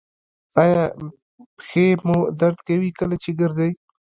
ایا پښې مو درد کوي کله چې ګرځئ؟